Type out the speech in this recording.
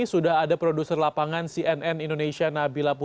sudah ada produser lapangan cnn indonesia nabila putri